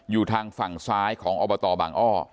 อยู่ทางฝั่งซ้ายของอบตบางอ้อ